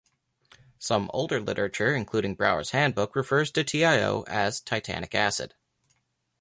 Some older literature including Brauer's Handbook refers to TiO as titanic acid.